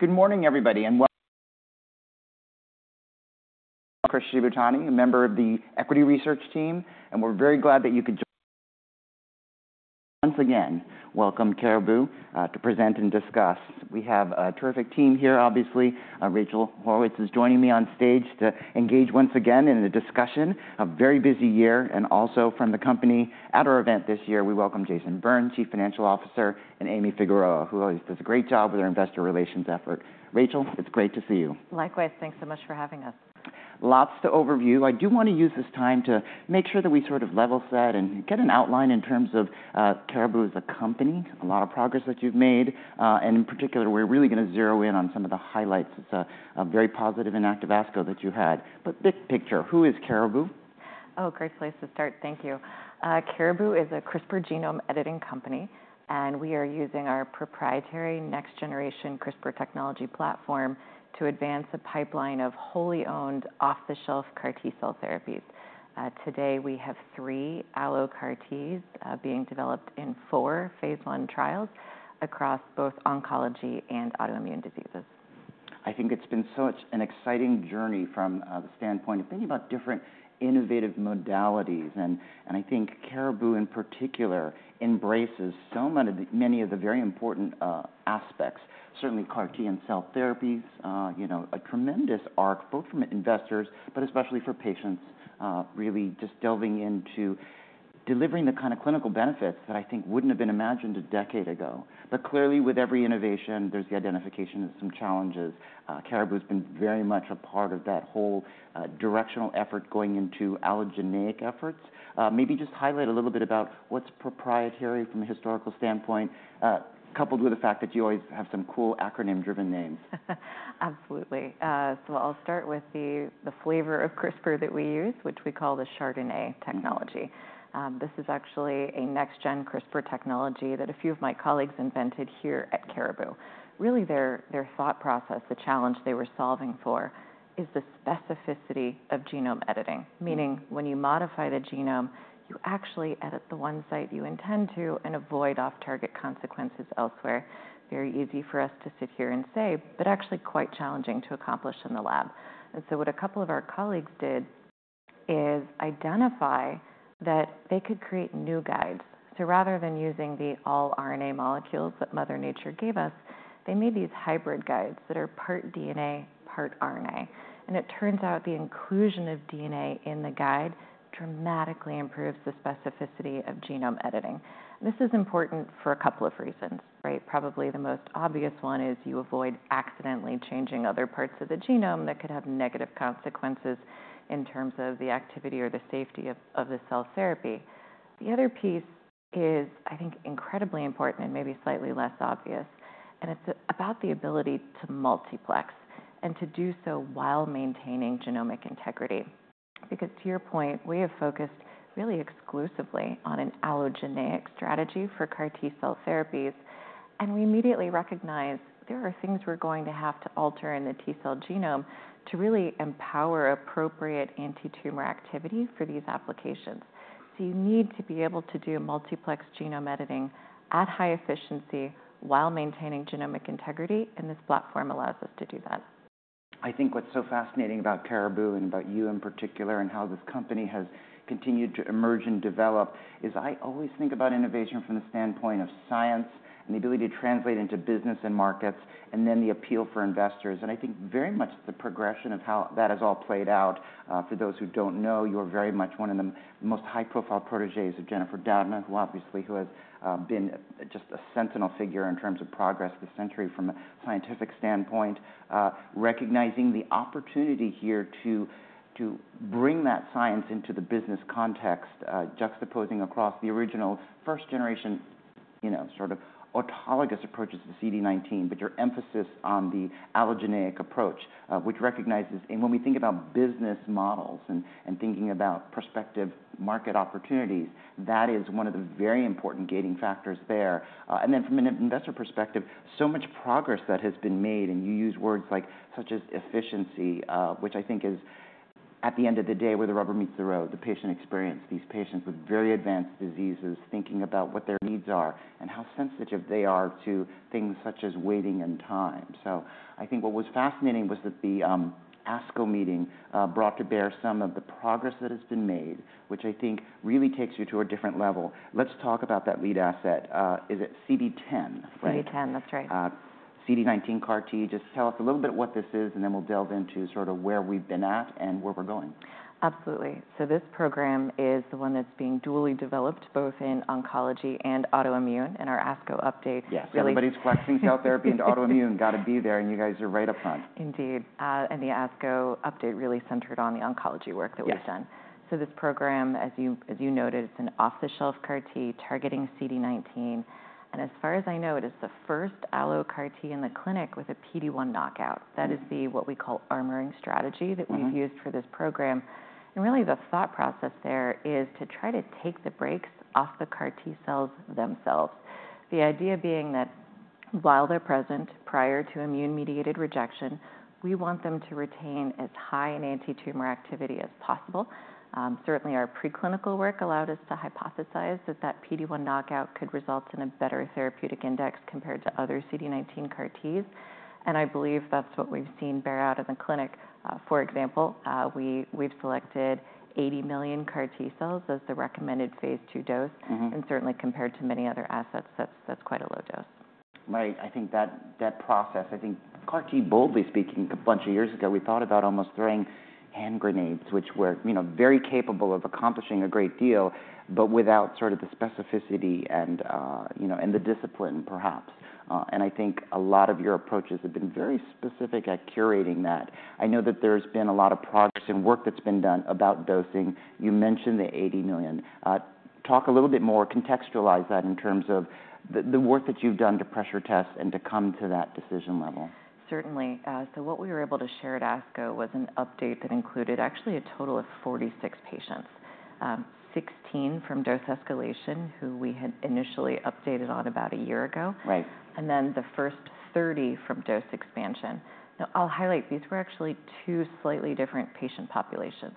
Good morning everybody, and welcome. I'm Chris Shibutani, a member of the Equity Research team, and we're very glad that you could join. Once again, welcome Caribou to present and discuss. We have a terrific team here, obviously. Rachel Haurwitz is joining me on stage to engage once again in a discussion, a very busy year, and also from the company at our event this year, we welcome Jason O'Byrne Chief Financial Officer, and Amy Figueroa, who always does a great job with our investor relations effort. Rachel it's great to see you. Likewise thanks so much for having us. Lots to overview. I do want to use this time to make sure that we sort of level set and get an outline in terms of, Caribou as a company, a lot of progress that you've made, and in particular, we're really going to zero in on some of the highlights. It's a very positive and active ASCO that you had. But big picture, who is Caribou? Oh, great place to start. Thank you. Caribou is a CRISPR genome editing company, and we are using our proprietary next generation CRISPR technology platform to advance a pipeline of wholly owned, off-the-shelf CAR-T cell therapies. Today, we have three allo CAR-Ts, being developed in four phase one trials across both oncology and autoimmune diseases. I think it's been such an exciting journey from the standpoint of thinking about different innovative modalities, and I think Caribou, in particular, embraces so many of the very important aspects, certainly CAR-T and cell therapies. You know, a tremendous arc, both from investors, but especially for patients, really just delving into delivering the kind of clinical benefits that I think wouldn't have been imagined a decade ago. But clearly, with every innovation, there's the identification of some challenges. Caribou's been very much a part of that whole directional effort going into allogeneic efforts. Maybe just highlight a little bit about what's proprietary from a historical standpoint, coupled with the fact that you always have some cool acronym-driven names. Absolutely. So I'll start with the flavor of CRISPR that we use, which we call the chRDNA technology. Mm-hmm. This is actually a next gen CRISPR technology that a few of my colleagues invented here at Caribou. Really, their, their thought process, the challenge they were solving for, is the specificity of genome editing, meaning when you modify the genome, you actually edit the one site you intend to and avoid off-target consequences elsewhere. Very easy for us to sit here and say, but actually quite challenging to accomplish in the lab. And so what a couple of our colleagues did is identify that they could create new guides. So rather than using the all-RNA molecules that Mother Nature gave us, they made these hybrid guides that are part DNA, part RNA, and it turns out the inclusion of DNA in the guide dramatically improves the specificity of genome editing. This is important for a couple of reasons, right? Probably the most obvious one is you avoid accidentally changing other parts of the genome that could have negative consequences in terms of the activity or the safety of the cell therapy. The other piece is, I think, incredibly important and maybe slightly less obvious, and it's about the ability to multiplex and to do so while maintaining genomic integrity. Because to your point, we have focused really exclusively on an allogeneic strategy for CAR-T cell therapies, and we immediately recognized there are things we're going to have to alter in the T cell genome to really empower appropriate antitumor activity for these applications. So you need to be able to do multiplex genome editing at high efficiency while maintaining genomic integrity, and this platform allows us to do that. I think what's so fascinating about Caribou, and about you in particular, and how this company has continued to emerge and develop, is I always think about innovation from the standpoint of science and the ability to translate into business and markets, and then the appeal for investors, and I think very much the progression of how that has all played out. For those who don't know, you're very much one of the most high-profile protégés of Jennifer Doudna, who obviously, who has, been just a sentinel figure in terms of progress this century from a scientific standpoint. Recognizing the opportunity here to bring that science into the business context, juxtaposing across the original first generation, you know, sort of autologous approaches to CD19, but your emphasis on the allogeneic approach, which recognizes... When we think about business models and, and thinking about prospective market opportunities, that is one of the very important gating factors there. And then from an investor perspective, so much progress that has been made, and you use words like, such as efficiency, which I think is, at the end of the day, where the rubber meets the road, the patient experience, these patients with very advanced diseases, thinking about what their needs are and how sensitive they are to things such as waiting and time. So I think what was fascinating was that the ASCO meeting brought to bear some of the progress that has been made, which I think really takes you to a different level. Let's talk about that lead asset. Is it CD19? CB-010, that's right. CD19 CAR-T. Just tell us a little bit what this is, and then we'll delve into sort of where we've been at and where we're going. Absolutely. This program is the one that's being dually developed both in oncology and autoimmune, and our ASCO update really- Yes, everybody's flexing cell therapy into autoimmune. Got to be there, and you guys are right up front. Indeed, and the ASCO update really centered on the oncology work that we've done. Yes. This program, as you, as you noted, is an off-the-shelf CAR-T targeting CD19, and as far as I know, it is the first allo CAR-T in the clinic with a PD-1 knockout. Mm-hmm. That is the, what we call, armoring strategy- Mm-hmm... that we've used for this program. Really, the thought process there is to try to take the brakes off the CAR-T cells themselves. The idea being that while they're present, prior to immune-mediated rejection, we want them to retain as high an antitumor activity as possible. Certainly, our preclinical work allowed us to hypothesize that that PD-1 knockout could result in a better therapeutic index compared to other CD19 CAR-Ts... and I believe that's what we've seen bear out in the clinic. For example, we've selected 80 million CAR-T cells as the recommended phase II dose. Mm-hmm. Certainly compared to many other assets, that's, that's quite a low dose. Right. I think that, that process, I think CAR-T, boldly speaking, a bunch of years ago, we thought about almost throwing hand grenades, which were, you know, very capable of accomplishing a great deal, but without sort of the specificity and, you know, and the discipline perhaps. And I think a lot of your approaches have been very specific at curating that. I know that there's been a lot of progress and work that's been done about dosing. You mentioned the 80 million. Talk a little bit more, contextualize that in terms of the, the work that you've done to pressure test and to come to that decision level. Certainly. So what we were able to share at ASCO was an update that included actually a total of 46 patients, 16 from dose escalation, who we had initially updated on about a year ago. Right. And then the first 30 from dose expansion. Now, I'll highlight, these were actually two slightly different patient populations.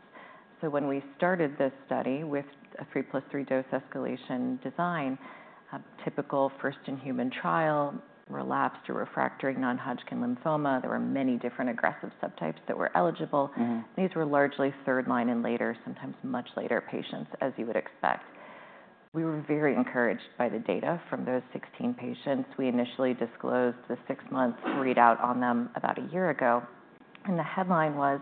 So when we started this study with a 3+3 dose escalation design, typical first in human trial, relapsed or refractory non-Hodgkin lymphoma, there were many different aggressive subtypes that were eligible. Mm. These were largely third line and later, sometimes much later, patients, as you would expect. We were very encouraged by the data from those 16 patients. We initially disclosed the six month readout on them about a year ago, and the headline was,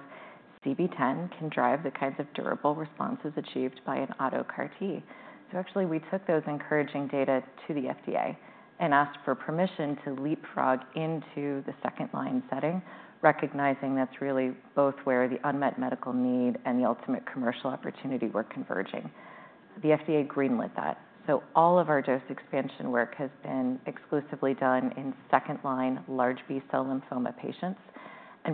"CB-010 can drive the kinds of durable responses achieved by an auto CAR-T." So actually, we took those encouraging data to the FDA and asked for permission to leapfrog into the second-line setting, recognizing that's really both where the unmet medical need and the ultimate commercial opportunity were converging. The FDA greenlit that, so all of our dose expansion work has been exclusively done in second-line large B cell lymphoma patients.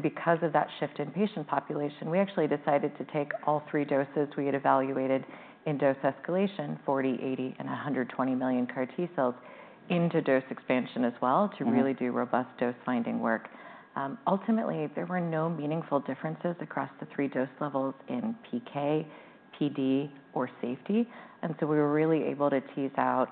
Because of that shift in patient population, we actually decided to take all three doses we had evaluated in dose escalation, 40, 80, and 120 million CAR-T cells, into dose expansion as well- Mm... to really do robust dose finding work. Ultimately, there were no meaningful differences across the three dose levels in PK, PD, or safety, and so we were really able to tease out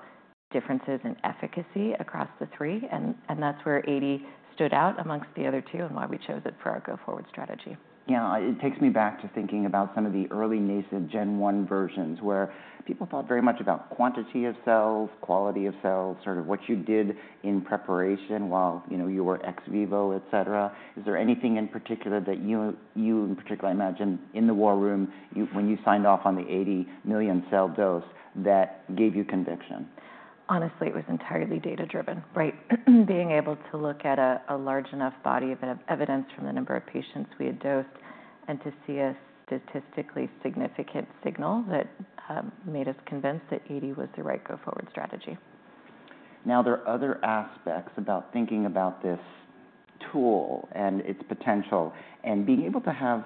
differences in efficacy across the three, and that's where 80 stood out amongst the other two, and why we chose it for our go-forward strategy. Yeah. It takes me back to thinking about some of the early nascent gen one versions, where people thought very much about quantity of cells, quality of cells, sort of what you did in preparation while, you know, you were ex vivo, et cetera. Is there anything in particular that you, you in particular, I imagine in the war room, you, when you signed off on the 80 million cell dose, that gave you conviction? Honestly, it was entirely data driven, right? Being able to look at a large enough body of evidence from the number of patients we had dosed, and to see a statistically significant signal that made us convinced that 80 was the right go-forward strategy. Now, there are other aspects about thinking about this tool and its potential, and being able to have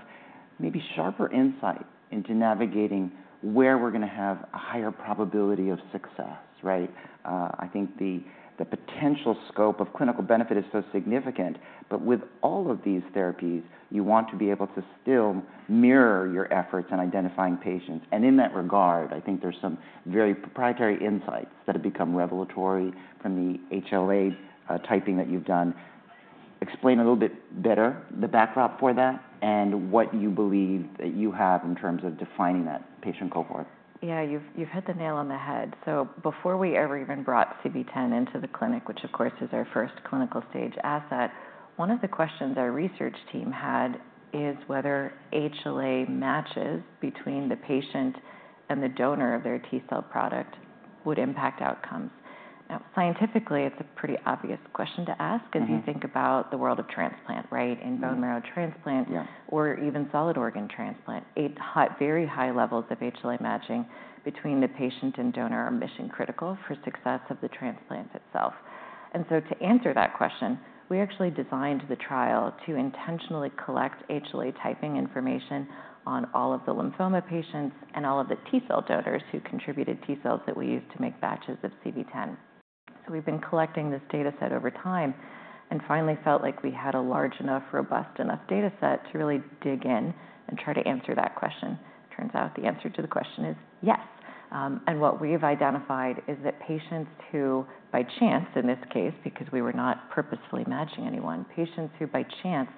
maybe sharper insight into navigating where we're gonna have a higher probability of success, right? I think the potential scope of clinical benefit is so significant, but with all of these therapies, you want to be able to still mirror your efforts in identifying patients. And in that regard, I think there's some very proprietary insights that have become revelatory from the HLA typing that you've done. Explain a little bit better the backdrop for that, and what you believe that you have in terms of defining that patient cohort. Yeah, you've, you've hit the nail on the head. So before we ever even brought CB-010 into the clinic, which of course is our first clinical stage asset, one of the questions our research team had is whether HLA matches between the patient and the donor of their T cell product would impact outcomes. Now, scientifically, it's a pretty obvious question to ask. Mm-hmm... if you think about the world of transplant, right? Mm-hmm. In bone marrow transplant- Yeah... or even solid organ transplant, either high- very high levels of HLA matching between the patient and donor are mission critical for success of the transplant itself. And so to answer that question, we actually designed the trial to intentionally collect HLA typing information on all of the lymphoma patients and all of the T cell donors who contributed T cells that we used to make batches of CB-010. So we've been collecting this data set over time, and finally felt like we had a large enough, robust enough data set to really dig in and try to answer that question. Turns out the answer to the question is yes. What we've identified is that patients who, by chance, in this case, because we were not purposefully matching anyone, patients who by chance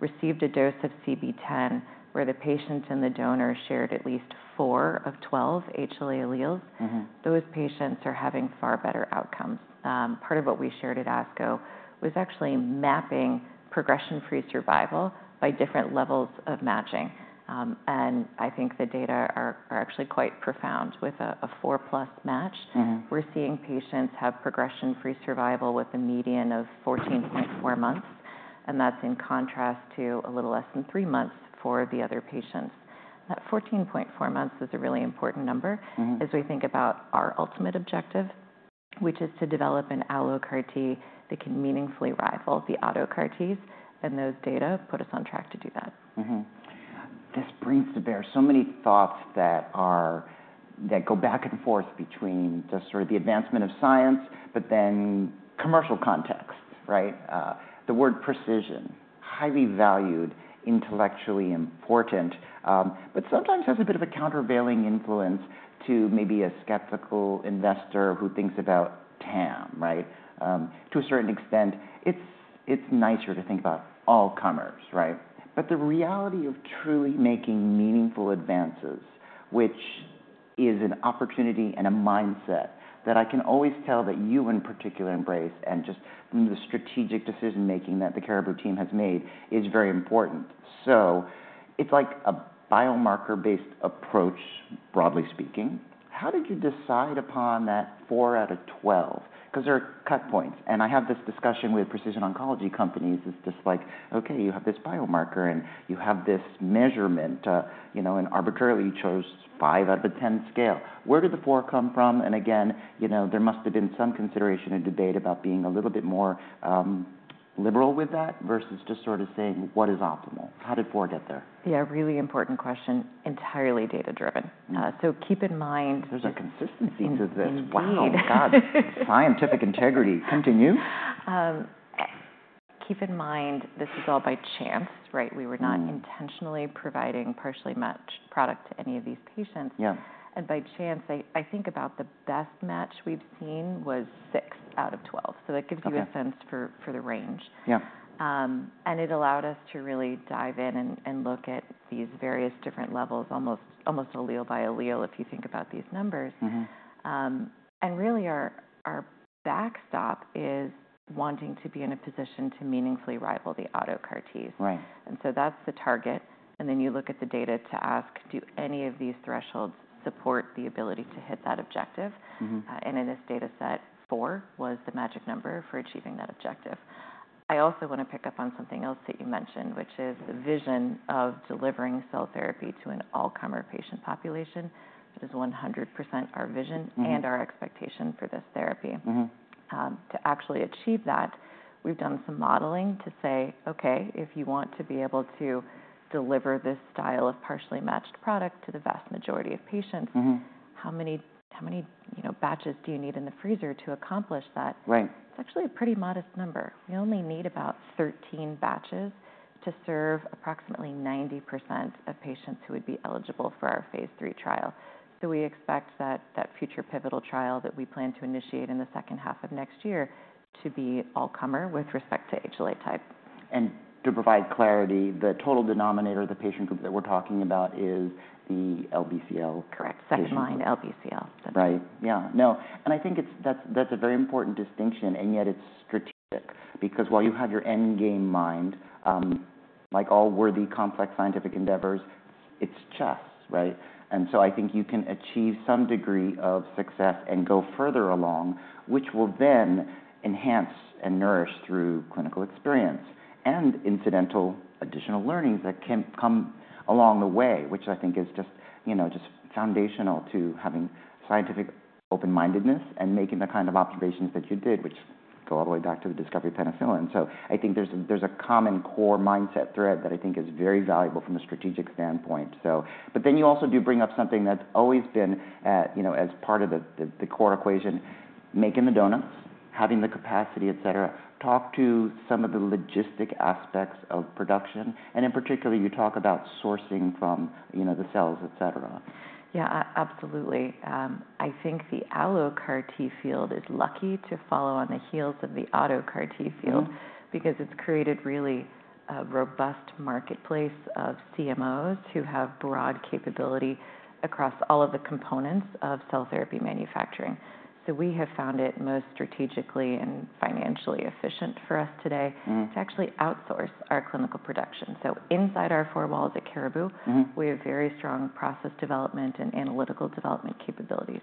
received a dose of CB-010, where the patients and the donors shared at least four of 12 HLA alleles. Mm-hmm... those patients are having far better outcomes. Part of what we shared at ASCO was actually mapping progression-free survival by different levels of matching. And I think the data are actually quite profound. With a four-plus match- Mm... we're seeing patients have progression-free survival with a median of 14.4 months, and that's in contrast to a little less than three months for the other patients. That 14.4 months is a really important number- Mm... as we think about our ultimate objective, which is to develop an allo CAR-T that can meaningfully rival the auto CAR-Ts, and those data put us on track to do that. Mm-hmm. This brings to bear so many thoughts that are that go back and forth between just sort of the advancement of science, but then commercial context, right? The word precision highly valued, intellectually important, but sometimes has a bit of a countervailing influence to maybe a skeptical investor who thinks about TAM, right? To a certain extent, it's, it's nicer to think about all comers, right? But the reality of truly making meaningful advances, which is an opportunity and a mindset that I can always tell that you, in particular, embrace, and just from the strategic decision-making that the Caribou team has made, is very important. So it's like a biomarker-based approach, broadly speaking. How did you decide upon that four out of 12? Because there are cut points, and I have this discussion with precision oncology companies. It's just like, okay, you have this biomarker, and you have this measurement, you know, and arbitrarily chose five out of ten scale. Where did the four come from? And again, you know, there must have been some consideration and debate about being a little bit more liberal with that versus just sort of saying, "What is optimal?" How did four get there? Yeah, really important question. Entirely data-driven. So keep in mind- There's a consistency to this. Indeed. Wow! God, scientific integrity. Continue. Keep in mind, this is all by chance, right? Mm. We were not intentionally providing partially matched product to any of these patients. Yeah. By chance, I think about the best match we've seen was 6 out of 12, so that gives you- Okay... a sense for the range. Yeah. It allowed us to really dive in and look at these various different levels, almost allele by allele, if you think about these numbers. Mm-hmm. Really, our backstop is wanting to be in a position to meaningfully rival the auto CAR-Ts. Right. And so that's the target, and then you look at the data to ask, "Do any of these thresholds support the ability to hit that objective? Mm-hmm. And in this data set, four was the magic number for achieving that objective. I also want to pick up on something else that you mentioned, which is the vision of delivering cell therapy to an all-comer patient population. That is 100% our vision- Mm... and our expectation for this therapy. Mm-hmm. To actually achieve that, we've done some modeling to say, "Okay, if you want to be able to deliver this style of partially matched product to the vast majority of patients- Mm-hmm... how many, you know, batches do you need in the freezer to accomplish that? Right. It's actually a pretty modest number. We only need about 13 batches to serve approximately 90% of patients who would be eligible for our phase III trial. So we expect that future pivotal trial that we plan to initiate in the second half of next year to be all-comer with respect to HLA type. To provide clarity, the total denominator, the patient group that we're talking about, is the LBCL? Correct. Second-line LBCL. Right. Yeah. No, and I think that's, that's a very important distinction, and yet it's strategic because while you have your end game in mind, like all worthy, complex scientific endeavors, it's chess, right? And so I think you can achieve some degree of success and go further along, which will then enhance and nourish through clinical experience and incidental additional learnings that can come along the way, which I think is just, you know, just foundational to having scientific open-mindedness and making the kind of observations that you did, which go all the way back to the discovery of penicillin. So I think there's a common core mindset thread that I think is very valuable from a strategic standpoint. So, but then you also do bring up something that's always been at, you know, as part of the core equation, making the donuts, having the capacity, et cetera. Talk to some of the logistical aspects of production, and in particular, you talk about sourcing from, you know, the cells, et cetera. Yeah absolutely. I think the allo CAR-T field is lucky to follow on the heels of the auto CAR-T field- Mm... because it's created really a robust marketplace of CMOs who have broad capability across all of the components of cell therapy manufacturing. So we have found it most strategically and financially efficient for us today- Mm... to actually outsource our clinical production. So inside our four walls at Caribou- Mm-hmm... we have very strong process development and analytical development capabilities.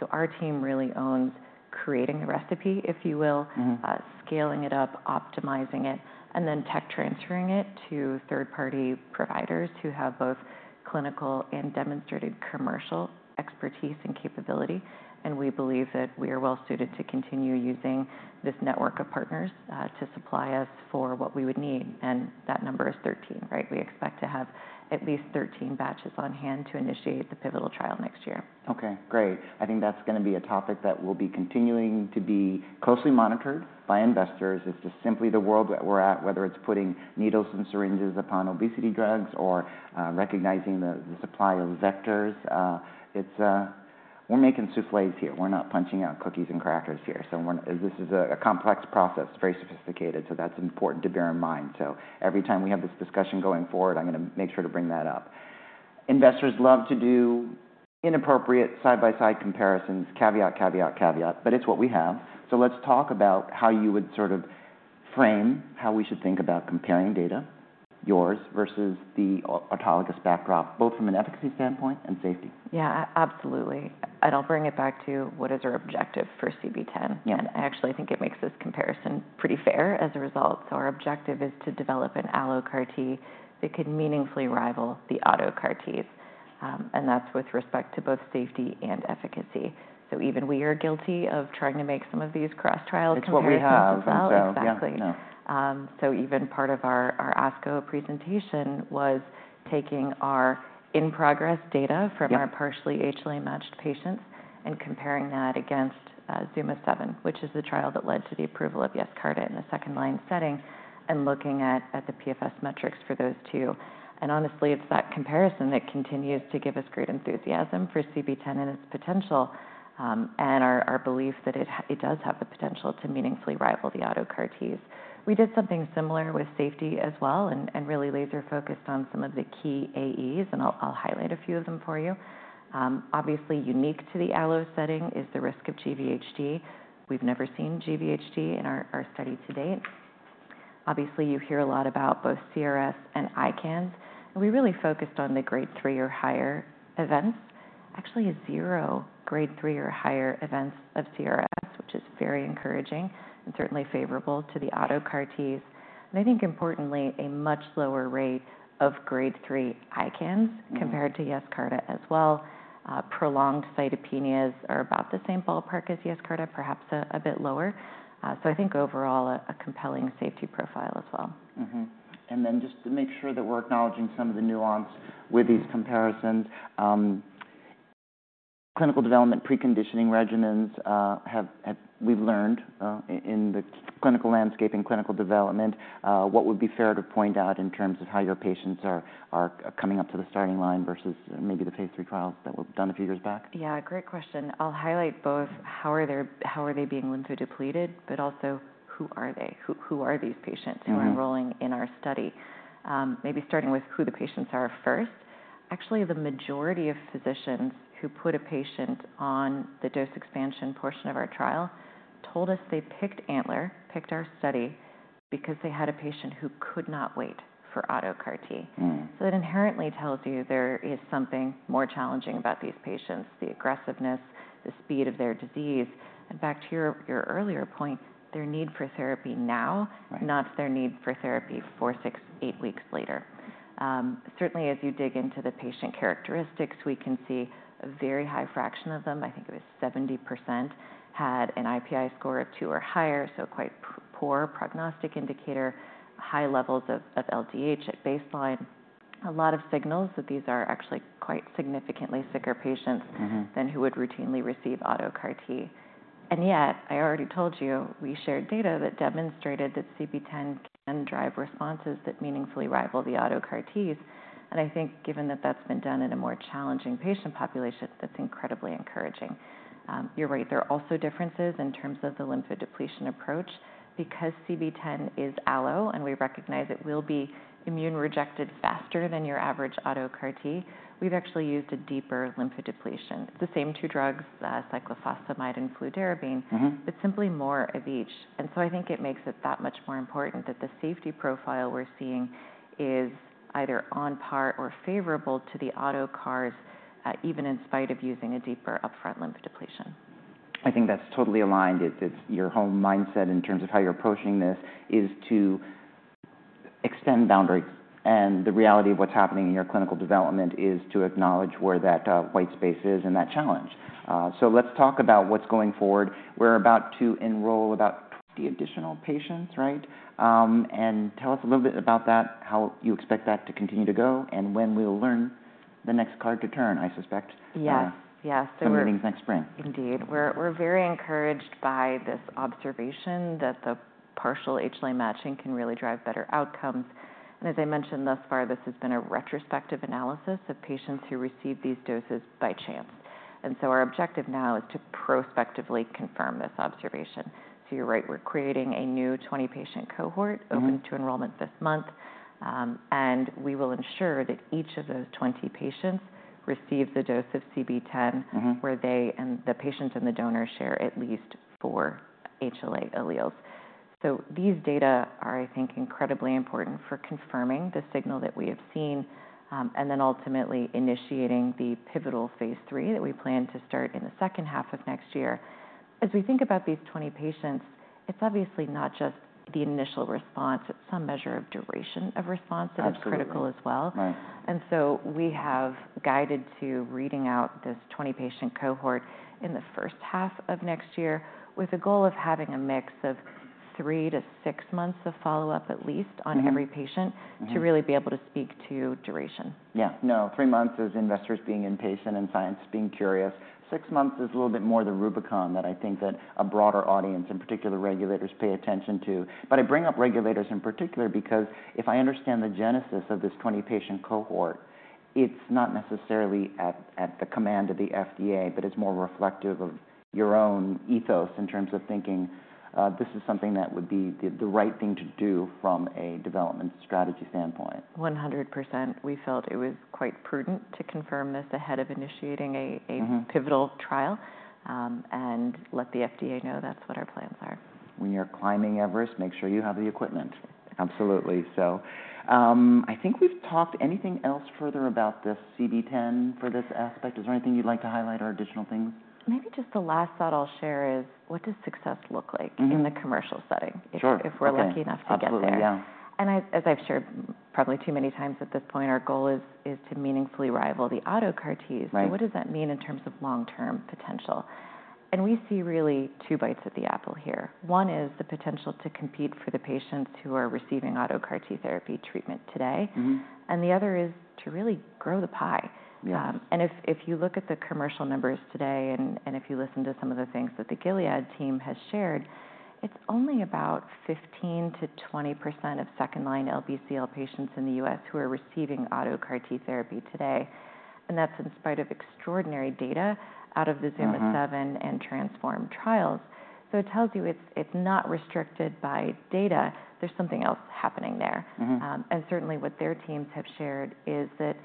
So our team really owns creating the recipe, if you will- Mm... scaling it up, optimizing it, and then tech transferring it to third-party providers who have both clinical and demonstrated commercial expertise and capability, and we believe that we are well suited to continue using this network of partners, to supply us for what we would need, and that number is 13, right? We expect to have at least 13 batches on hand to initiate the pivotal trial next year. Okay, great. I think that's gonna be a topic that will be continuing to be closely monitored by investors. It's just simply the world that we're at, whether it's putting needles and syringes upon obesity drugs or recognizing the supply of vectors. It's... We're making soufflés here. We're not punching out cookies and crackers here, so we're. This is a complex process, very sophisticated, so that's important to bear in mind. So every time we have this discussion going forward, I'm gonna make sure to bring that up. Investors love to do inappropriate side-by-side comparisons, caveat, caveat, caveat, but it's what we have. So let's talk about how you would sort of frame how we should think about comparing data, yours versus the autologous backdrop, both from an efficacy standpoint and safety. Yeah, absolutely, and I'll bring it back to what is our objective for CB-010. Yeah. I actually think it makes this comparison pretty fair as a result. Our objective is to develop an allo CAR-T that can meaningfully rival the auto CAR-Ts, and that's with respect to both safety and efficacy. Even we are guilty of trying to make some of these cross-trial comparisons as well. It's what we have, and so- Exactly. Yeah. Yeah. Even part of our ASCO presentation was taking our in-progress data- Yeah... from our partially HLA-matched patients and comparing that against ZUMA-7, which is the trial that led to the approval of Yescarta in the second-line setting, and looking at the PFS metrics for those two. And honestly, it's that comparison that continues to give us great enthusiasm for CB-010 and its potential, and our belief that it does have the potential to meaningfully rival the auto CAR-Ts. We did something similar with safety as well, and really laser-focused on some of the key AEs, and I'll highlight a few of them for you. Obviously, unique to the allo setting is the risk of GVHD. We've never seen GVHD in our study to date. Obviously, you hear a lot about both CRS and ICANS, and we really focused on the grade three or higher events. Actually, zero grade three or higher events of CRS, which is very encouraging and certainly favorable to the auto CAR-Ts. And I think importantly, a much lower rate of grade three ICANS compared- Mm. -to Yescarta as well. Prolonged cytopenias are about the same ballpark as Yescarta, perhaps a bit lower. So I think overall, a compelling safety profile as well. Mm-hmm. And then just to make sure that we're acknowledging some of the nuance with these comparisons, clinical development preconditioning regimens, have we've learned, in the clinical landscape and clinical development, what would be fair to point out in terms of how your patients are coming up to the starting line versus maybe the phase III trials that were done a few years back? Yeah, great question. I'll highlight both how are they, how are they being lymphodepleted, but also, who are they? Who, who are these patients? Mm. -who are enrolling in our study? Maybe starting with who the patients are first. Actually, the majority of physicians who put a patient on the dose expansion portion of our trial told us they picked ANTLER, picked our study, because they had a patient who could not wait for auto CAR-T. Mm. So it inherently tells you there is something more challenging about these patients, the aggressiveness, the speed of their disease. In fact, to your, your earlier point, their need for therapy now- Right... not their need for therapy four ,six, eight weeks later. Certainly, as you dig into the patient characteristics, we can see a very high fraction of them, I think it was 70%, had an IPI score of 2 or higher, so quite poor prognostic indicator, high levels of LDH at baseline. A lot of signals that these are actually quite significantly sicker patients- Mm-hmm... than who would routinely receive auto CAR-T. And yet, I already told you, we shared data that demonstrated that CB-010 can drive responses that meaningfully rival the auto CAR-Ts, and I think given that that's been done in a more challenging patient population, that's incredibly encouraging. You're right, there are also differences in terms of the lymphodepletion approach. Because CB-010 is allo, and we recognize it will be immune-rejected faster than your average auto CAR-T, we've actually used a deeper lymphodepletion. The same two drugs, cyclophosphamide and fludarabine. Mm-hmm... but simply more of each. And so I think it makes it that much more important that the safety profile we're seeing is either on par or favorable to the auto CARs, even in spite of using a deeper upfront lymphodepletion. I think that's totally aligned. It's your whole mindset in terms of how you're approaching this, is to extend boundaries, and the reality of what's happening in your clinical development is to acknowledge where that white space is and that challenge. So let's talk about what's going forward. We're about to enroll about 20 additional patients, right? And tell us a little bit about that, how you expect that to continue to go, and when we'll learn the next card to turn, I suspect. Yes. Yes, so we're- Some meetings next spring. Indeed. We're very encouraged by this observation that the partial HLA matching can really drive better outcomes, and as I mentioned, thus far, this has been a retrospective analysis of patients who received these doses by chance. So our objective now is to prospectively confirm this observation. So you're right, we're creating a new 20-patient cohort- Mm-hmm... open to enrollment this month. We will ensure that each of those 20 patients receives a dose of CB-010 Mm-hmm... where they, and the patient and the donor share at least four HLA alleles. So these data are, I think, incredibly important for confirming the signal that we have seen, and then ultimately initiating the pivotal phase III that we plan to start in the second half of next year. As we think about these 20 patients, it's obviously not just the initial response, it's some measure of duration of response- Absolutely... that is critical as well. Right. we have guided to reading out this 20-patient cohort in the first half of next year with a goal of having a mix of 3-6 months of follow-up at least- Mm-hmm... on every patient- Mm-hmm... to really be able to speak to duration. Yeah. No, three months is investors being impatient and science being curious. Six months is a little bit more the Rubicon that I think that a broader audience, and particularly regulators, pay attention to. But I bring up regulators in particular because if I understand the genesis of this 20-patient cohort, it's not necessarily at the command of the FDA, but it's more reflective of your own ethos in terms of thinking, this is something that would be the right thing to do from a development strategy standpoint. 100%. We felt it was quite prudent to confirm this ahead of initiating a- Mm-hmm... pivotal trial, and let the FDA know that's what our plans are. When you're climbing Everest, make sure you have the equipment. Absolutely. So, I think we've talked anything else further about this CB-010 for this aspect? Is there anything you'd like to highlight or additional things? Maybe just the last thought I'll share is, what does success look like? Mm-hmm... in the commercial setting? Sure. If we're lucky enough to get there. Absolutely, yeah. I, as I've shared probably too many times at this point, our goal is to meaningfully rival the auto CAR-Ts. Right. What does that mean in terms of long-term potential?... we see really two bites at the apple here. One is the potential to compete for the patients who are receiving auto CAR-T therapy treatment today. Mm-hmm. The other is to really grow the pie. Yeah. If you look at the commercial numbers today, and if you listen to some of the things that the Gilead team has shared, it's only about 15%-20% of second-line LBCL patients in the U.S. who are receiving auto CAR-T therapy today, and that's in spite of extraordinary data out of the- Mm-hmm... ZUMA-7 and TRANSFORM trials. So it tells you it's not restricted by data. There's something else happening there. Mm-hmm. And certainly what their teams have shared is that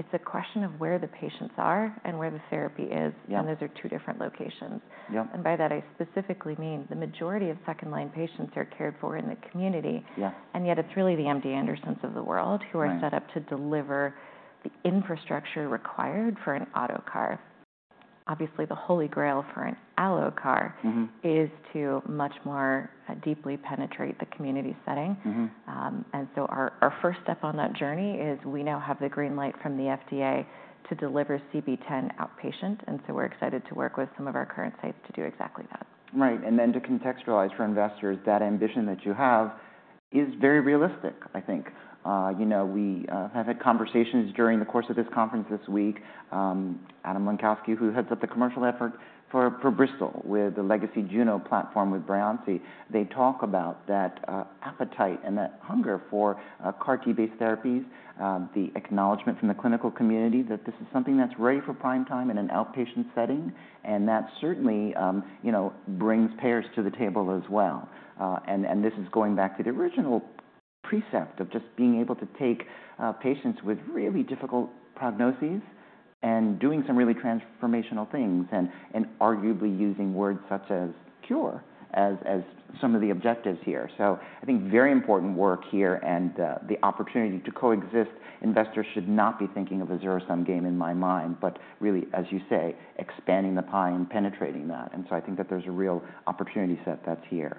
it's a question of where the patients are and where the therapy is- Yeah... and those are two different locations. Yep. By that, I specifically mean the majority of second-line patients are cared for in the community- Yeah... and yet it's really the MD Andersons of the world who are- Right... set up to deliver the infrastructure required for an auto CAR. Obviously, the holy grail for an allo CAR- Mm-hmm... is to much more deeply penetrate the community setting. Mm-hmm. And so our first step on that journey is we now have the green light from the FDA to deliver CB-010 outpatient, and so we're excited to work with some of our current sites to do exactly that. Right, and then to contextualize for investors, that ambition that you have is very realistic, I think. You know, we have had conversations during the course of this conference this week, Adam Lenkowsky, who heads up the commercial effort for Bristol, with the legacy Juno platform with Breyanzi. They talk about that appetite and that hunger for CAR-T-based therapies, the acknowledgment from the clinical community that this is something that's ready for prime time in an outpatient setting, and that certainly, you know, brings payers to the table as well. And this is going back to the original precept of just being able to take patients with really difficult prognoses and doing some really transformational things and arguably using words such as cure as some of the objectives here. So I think very important work here and, the opportunity to coexist. Investors should not be thinking of a zero-sum game in my mind, but really, as you say, expanding the pie and penetrating that, and so I think that there's a real opportunity set that's here.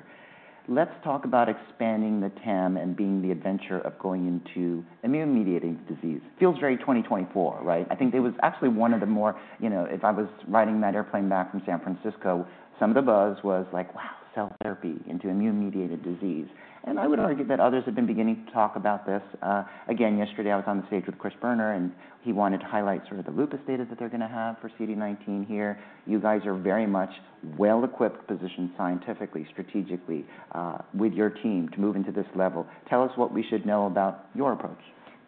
Let's talk about expanding the TAM and being the adventure of going into immune-mediated disease. Feels very twenty twenty-four, right? I think it was actually one of the more... You know, if I was riding that airplane back from San Francisco, some of the buzz was like, "Wow, cell therapy into immune-mediated disease. Mm-hmm. I would argue that others have been beginning to talk about this. Again, yesterday, I was on the stage with Chris Boerner, and he wanted to highlight sort of the lupus data that they're gonna have for CD19 here. You guys are very much well-equipped, positioned scientifically, strategically, with your team to move into this level. Tell us what we should know about your approach.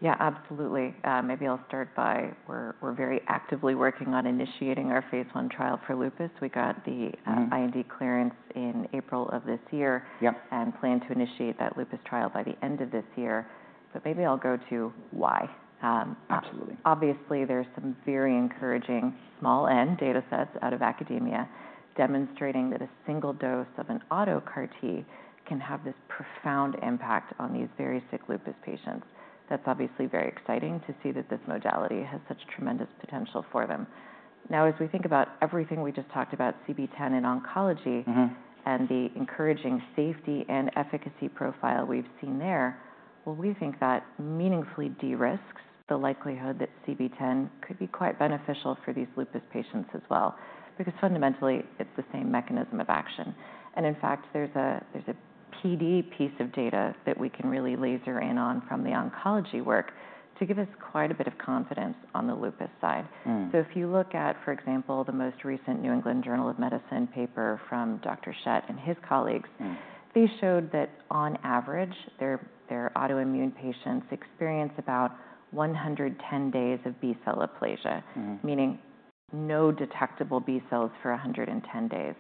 Yeah, absolutely. Maybe I'll start by we're very actively working on initiating our phase one trial for lupus. We got the, Mm-hmm... IND clearance in April of this year. Yep... and plan to initiate that lupus trial by the end of this year, but maybe I'll go to why. Absolutely. Obviously, there's some very encouraging small end data sets out of academia demonstrating that a single dose of an auto CAR-T can have this profound impact on these very sick lupus patients. That's obviously very exciting to see that this modality has such tremendous potential for them. Now, as we think about everything we just talked about, CB-010 in oncology- Mm-hmm... and the encouraging safety and efficacy profile we've seen there, well, we think that meaningfully de-risks the likelihood that CB-010 could be quite beneficial for these lupus patients as well because fundamentally, it's the same mechanism of action. And in fact, there's a PD piece of data that we can really laser in on from the oncology work to give us quite a bit of confidence on the lupus side. Hmm. If you look at, for example, the most recent New England Journal of Medicine paper from Dr. Schett and his colleagues- Hmm... they showed that on average, their autoimmune patients experience about 110 days of B cell aplasia- Mm-hmm... meaning no detectable B cells for 110 days.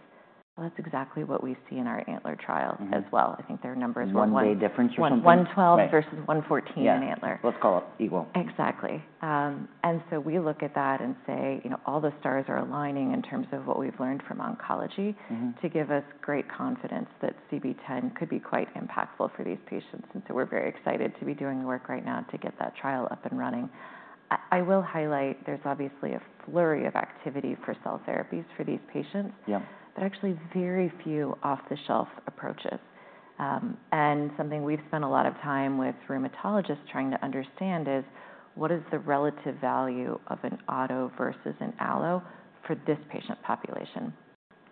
Well, that's exactly what we see in our ANTLER trial- Mm-hmm... as well. I think their numbers were- One day difference or something? One twelve- Right... versus 114 in ANTLER. Yeah. Let's call it equal. Exactly. And so we look at that and say, "You know, all the stars are aligning in terms of what we've learned from oncology- Mm-hmm... to give us great confidence that CB-010 could be quite impactful for these patients," and so we're very excited to be doing the work right now to get that trial up and running. I will highlight there's obviously a flurry of activity for cell therapies for these patients- Yep ... but actually very few off-the-shelf approaches. And something we've spent a lot of time with rheumatologists trying to understand is: What is the relative value of an auto versus an allo for this patient population?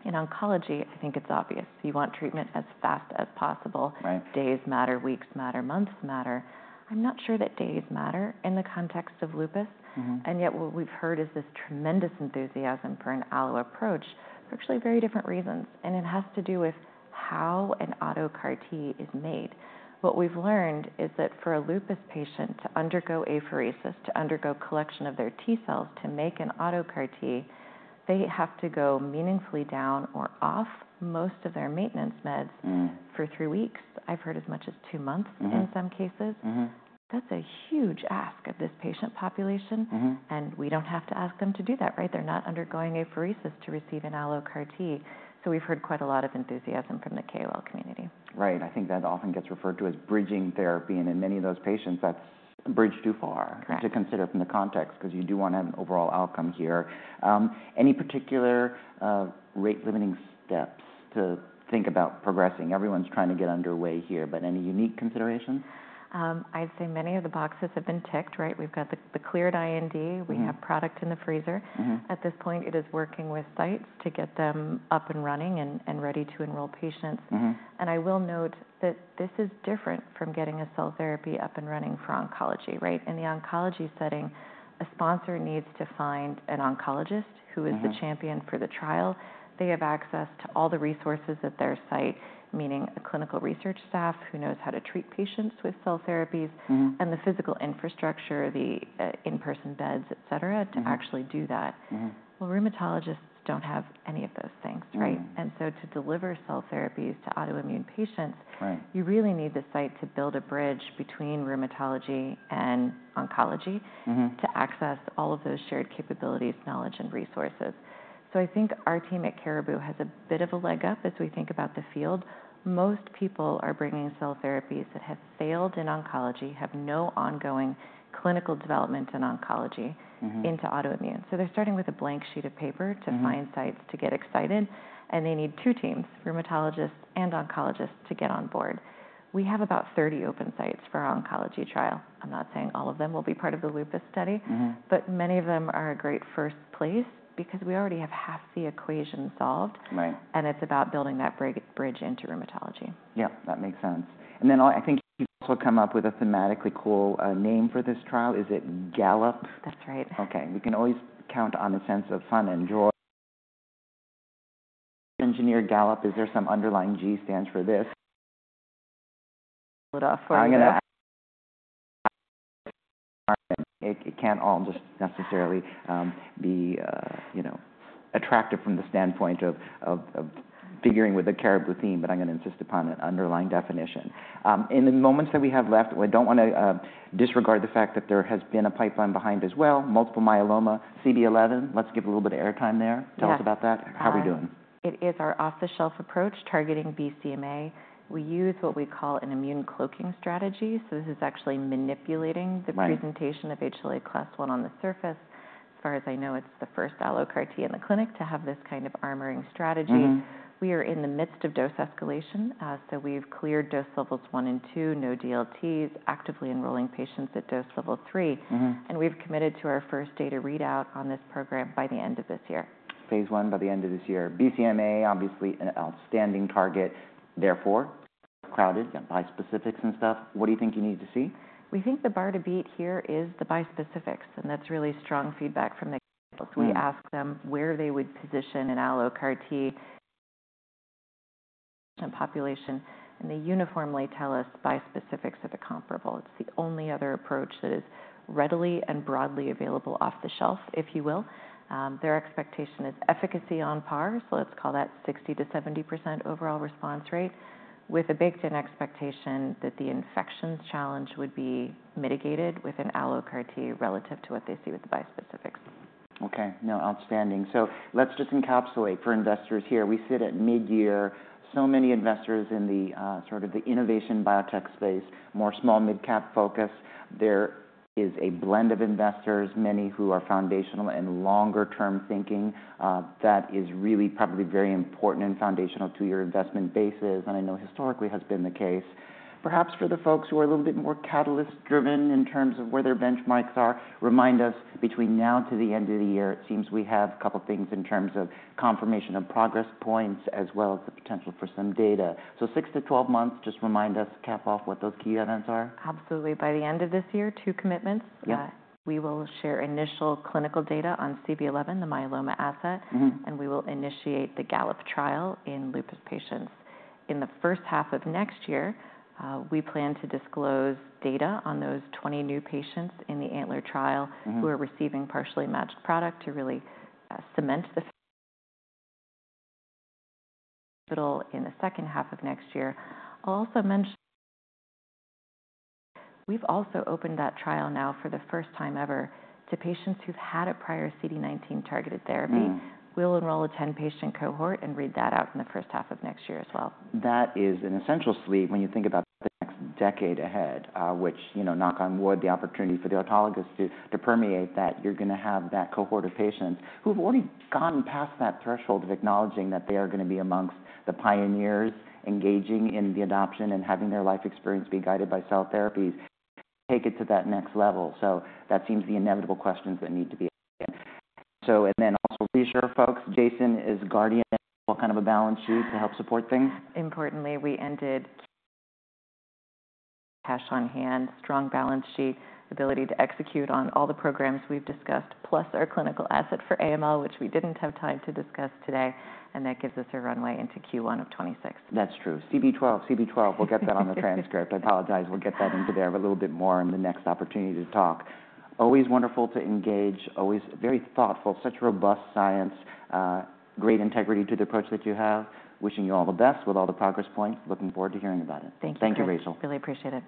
In oncology, I think it's obvious, you want treatment as fast as possible. Right. Days matter, weeks matter, months matter. I'm not sure that days matter in the context of lupus. Mm-hmm. Yet what we've heard is this tremendous enthusiasm for an allo approach for actually very different reasons, and it has to do with how an auto CAR-T is made. What we've learned is that for a lupus patient to undergo apheresis, to undergo collection of their T cells to make an auto CAR-T, they have to go meaningfully down or off most of their maintenance meds- Mm... for three weeks. I've heard as much as two months- Mm-hmm... in some cases. Mm-hmm. That's a huge ask of this patient population. Mm-hmm. We don't have to ask them to do that, right? They're not undergoing apheresis to receive an allo CAR-T. We've heard quite a lot of enthusiasm from the KOL community. Right. I think that often gets referred to as bridging therapy, and in many of those patients, that's bridged too far- Right... to consider from the context, 'cause you do wanna have an overall outcome here. Any particular rate-limiting steps to think about progressing? Everyone's trying to get underway here, but any unique considerations? I'd say many of the boxes have been ticked, right? We've got the cleared IND. Mm-hmm. We have product in the freezer. Mm-hmm. At this point, it is working with sites to get them up and running and ready to enroll patients. Mm-hmm. I will note that this is different from getting a cell therapy up and running for oncology, right? In the oncology setting, a sponsor needs to find an oncologist who is- Mm-hmm the champion for the trial. They have access to all the resources at their site, meaning a clinical research staff who knows how to treat patients with cell therapies. Mm-hmm -and the physical infrastructure, the, in-person beds, et cetera- Mm-hmm to actually do that. Mm-hmm. Well, rheumatologists don't have any of those things, right? Mm-hmm. And so to deliver cell therapies to autoimmune patients- Right... you really need the site to build a bridge between rheumatology and oncology- Mm-hmm to access all of those shared capabilities, knowledge, and resources. So I think our team at Caribou has a bit of a leg up as we think about the field. Most people are bringing cell therapies that have failed in oncology, have no ongoing clinical development in oncology- Mm-hmm into autoimmune. So they're starting with a blank sheet of paper. Mm-hmm -to find sites to get excited, and they need two teams, rheumatologists and oncologists, to get on board. We have about 30 open sites for our oncology trial. I'm not saying all of them will be part of the lupus study- Mm-hmm But many of them are a great first place because we already have half the equation solved. Right. It's about building that bridge into rheumatology. Yep, that makes sense. And then I think you've also come up with a thematically cool name for this trial. Is it GALLOP? That's right. Okay, we can always count on a sense of fun and joy. In GALLOP, is there some underlying G stands for this? Hold off for a- It can't all just necessarily be, you know, attractive from the standpoint of figuring with the Caribou theme, but I'm gonna insist upon an underlying definition. In the moments that we have left, I don't wanna disregard the fact that there has been a pipeline behind as well, multiple myeloma, CB-011. Let's give a little bit of airtime there. Yes. Tell us about that. How are we doing? It is our off-the-shelf approach, targeting BCMA. We use what we call an immune cloaking strategy, so this is actually manipulating the- Right presentation of HLA class I on the surface. As far as I know, it's the first allo CART in the clinic to have this kind of armoring strategy. Mm-hmm. We are in the midst of dose escalation. So we've cleared dose levels one and two, no DLTs, actively enrolling patients at dose level three. Mm-hmm. We've committed to our first data readout on this program by the end of this year. phase 1, by the end of this year. BCMA, obviously an outstanding target, therefore, crowded, got bispecifics and stuff. What do you think you need to see? We think the bar to beat here is the bispecifics, and that's really strong feedback from the. Mm-hmm. We ask them where they would position an allo CAR-T population, and they uniformly tell us bispecifics are the comparable. It's the only other approach that is readily and broadly available off the shelf, if you will. Their expectation is efficacy on par, so let's call that 60%-70% overall response rate, with a baked-in expectation that the infections challenge would be mitigated with an allo CAR-T relative to what they see with the bispecifics. Okay. No, outstanding. So let's just encapsulate for investors here. We sit at midyear. So many investors in the sort of the innovation biotech space, more small midcap focus. There is a blend of investors, many who are foundational and longer term thinking. That is really probably very important and foundational to your investment bases, and I know historically has been the case. Perhaps for the folks who are a little bit more catalyst driven in terms of where their benchmarks are, remind us between now to the end of the year, it seems we have a couple things in terms of confirmation of progress points, as well as the potential for some data. So 6-12 months, just remind us, cap off what those key events are. Absolutely. By the end of this year, 2 commitments. Yep. We will share initial clinical data on CB-011, the myeloma asset. Mm-hmm. We will initiate the GALLOP trial in lupus patients. In the first half of next year, we plan to disclose data on those 20 new patients in the ANTLER trial- Mm-hmm who are receiving partially matched product to really cement in the second half of next year. I'll also mention. We've also opened that trial now for the first time ever to patients who've had a prior CD19-targeted therapy. Mm. We'll enroll a 10-patient cohort and read that out in the first half of next year as well. That is an essential sleeve when you think about the next decade ahead, which, you know, knock on wood, the opportunity for the autologous to permeate that you're gonna have that cohort of patients who've already gotten past that threshold of acknowledging that they are gonna be amongst the pioneers engaging in the adoption and having their life experience be guided by cell therapies, take it to that next level. So that seems the inevitable questions that need to be asked. So and then also reassure folks, Jason is guardian, what kind of a balance sheet to help support things? Importantly, we ended... cash on hand, strong balance sheet, ability to execute on all the programs we've discussed, plus our clinical asset for AML, which we didn't have time to discuss today, and that gives us a runway into Q1 of 2026. That's true. CB-012, CB-012. We'll get that on the transcript. I apologize. We'll get that into there a little bit more in the next opportunity to talk. Always wonderful to engage, always very thoughtful, such robust science, great integrity to the approach that you have. Wishing you all the best with all the progress points. Looking forward to hearing about it. Thank you. Thank you, Rachel. Really appreciate it.